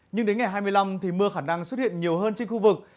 nhưng đến ngày hai mươi năm thì mưa khả năng xuất hiện nhiều hơn trên khu vực